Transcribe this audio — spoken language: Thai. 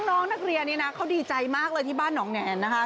น้องนักเรียนนี่นะเขาดีใจมากเลยที่บ้านหนองแนนนะคะ